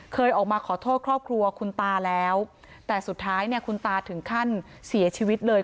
เคยออกมาขอโทษครอบครัวคุณตาแล้วแต่สุดท้ายเนี่ยคุณตาถึงขั้นเสียชีวิตเลย